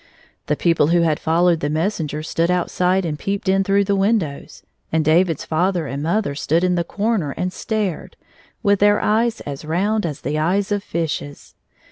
The people who had followed the messenger stood outside and peeped in through the windows, and David's father and mother stood in the comer and stared, with their eyes as round as the eyes of fishes.